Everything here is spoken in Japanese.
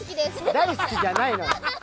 大好きじゃないのよ。